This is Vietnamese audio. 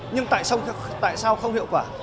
nhưng tại sao không hiệu quả